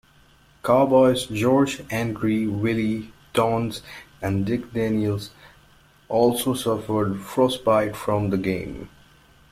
Cowboys George Andrie, Willie Townes, and Dick Daniels also suffered frostbite from the game.